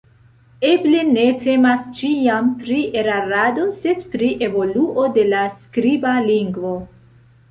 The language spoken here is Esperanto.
Eble ne temas ĉiam pri erarado, sed pri evoluo de la skriba lingvo.